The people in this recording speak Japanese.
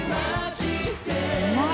うまい！